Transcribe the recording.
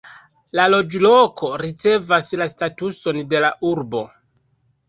La loĝloko ricevas la statuson de la urbo.